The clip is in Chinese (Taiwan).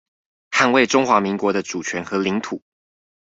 捍衛中華民國的主權和領土